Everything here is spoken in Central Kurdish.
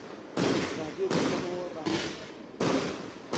ڕادیۆ دەکەمەوە، ڕاستە